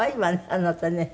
あなたね。